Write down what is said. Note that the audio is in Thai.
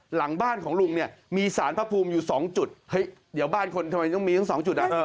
หลังบ้านของลุงเนี่ยมีสารพระภูมิอยู่๒จุดเฮ้ยเดี๋ยวบ้านคนทำไมต้องมีทั้งสองจุดอ่ะ